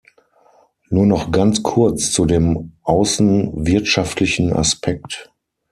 Nur noch ganz kurz zu dem außenwirtschaftlichen Aspekt.